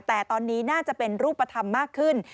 แต่ตอนนี้น่าจะเป็นรูปธรรมมากขึ้น